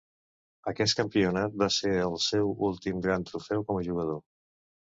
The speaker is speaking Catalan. Aquest campionat va ser el seu últim gran trofeu com a jugador.